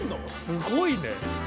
すごいね。